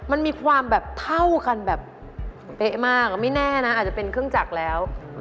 มันมีความแบบเท่ากันแบบเป๊ะมากไม่แน่นะอาจจะเป็นเครื่องจักรแล้ว